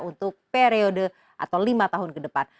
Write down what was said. untuk periode atau lima tahun ke depan